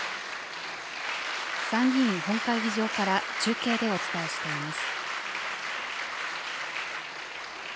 参議院本会議場から中継でお伝えしています。